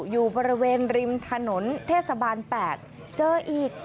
อยู่บริเวณริมถนนเทศบาล๘เจออีก